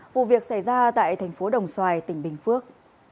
vụ việc xảy ra tại thành phố đồng xoài tỉnh bình phước